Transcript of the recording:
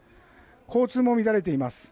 交通も乱れています。